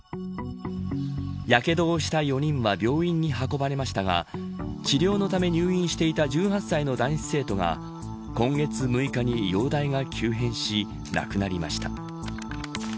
やけどをした４人は病院に運ばれましたが治療のため入院していた１８歳の男子生徒が今月６日に容体が急変し亡くなりました。